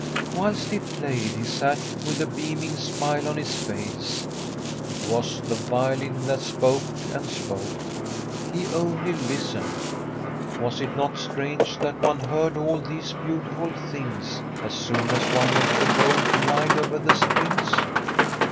Whilst he played he sat with a beaming smile on his face. It was the violin that spoke and spoke ; he only listened. Was it not strange that one heard all these beautiful things as soon as one let the bow glide over the strings